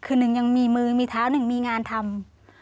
คือหนึ่งยังมีมือมีเท้าหนึ่งมีงานทำ